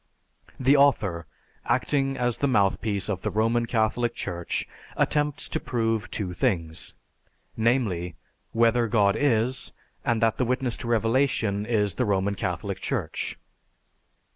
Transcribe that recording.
The author, acting as the mouthpiece of the Roman Catholic Church, attempts to prove two things: namely, whether God is, and that the witness to Revelation is the Roman Catholic Church.